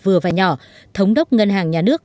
vừa và nhỏ thống đốc ngân hàng nhà nước